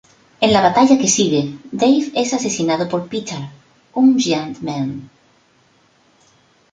En la batalla que sigue, Dave es asesinado por Peter, un Giant-Man.